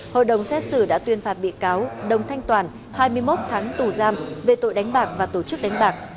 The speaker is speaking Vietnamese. hội đồng xét xử đã tuyên phạt bị cáo đông thanh toàn hai mươi một tháng tù giam về tội đánh bạc và tổ chức đánh bạc